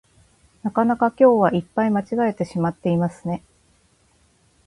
なかなか今日はいっぱい間違えてしまっていますね